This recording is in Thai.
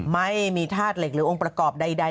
ธาตุเหล็กหรือองค์ประกอบใด